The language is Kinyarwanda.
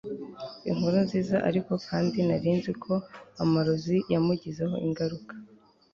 inkuru nziza ariko kandi nari nzi ko amarozi yamugizeho ingaruka